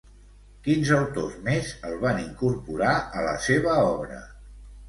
Quins autors més el van incorporar a la seva obra?